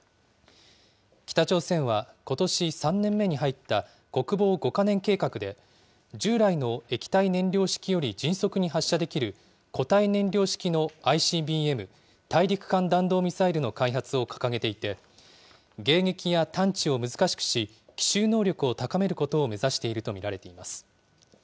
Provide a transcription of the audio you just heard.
北朝鮮はことし３年目に入った国防５か年計画で、従来の液体燃料式より迅速に発射できる固体燃料式のＩＣＢＭ・大陸間弾道ミサイルの開発を掲げていて、迎撃や探知を難しくし、奇襲能力を高めることを目指していると見られています。